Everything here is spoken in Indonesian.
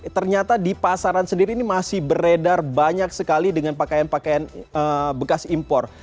ternyata di pasaran sendiri ini masih beredar banyak sekali dengan pakaian pakaian bekas impor